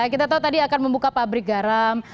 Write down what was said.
kita tahu tadi akan membuka pabrik garam